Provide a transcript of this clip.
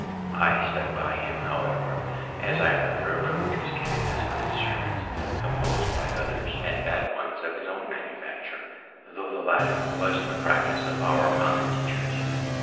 I stuck by him, however, as I rather approv'd his giving us good sermons composed by others, than bad ones of his own manufacture, tho' the latter was the practice of our common teachers.